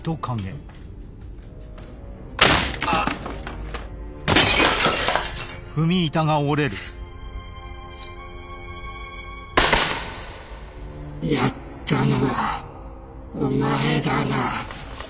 やったのはお前だな。